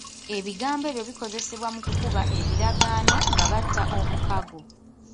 Ebigambo ebyo bikozesebwa mu kukuba ekiragaano nga batta omukago.